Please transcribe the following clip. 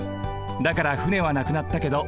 だから船はなくなったけど